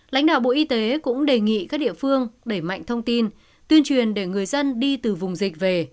lãnh đạo bộ y tế cũng đề nghị các địa phương đẩy mạnh thông tin tuyên truyền để người dân đi từ vùng dịch về